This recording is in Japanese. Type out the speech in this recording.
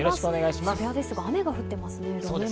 渋谷ですが雨が降っていますね。